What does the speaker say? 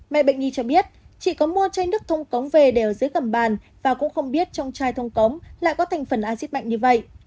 mẹ bệnh nhi cho biết chỉ có mua chai nước thông cống về để ở dưới gầm bàn và cũng không biết trong chai thông cống lại có thành phần acid mạnh như vậy